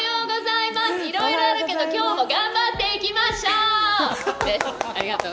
いろいろあるけど、今日は頑張っていきましょう！